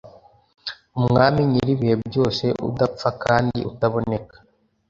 Umwami nyir’ibihe byose udapfa kandi utaboneka